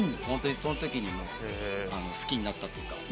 本当にその時に、もう好きになったというか。